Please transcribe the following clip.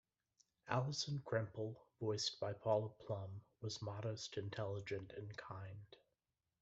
Alison Krempel, voiced by Paula Plum, was modest, intelligent and kind.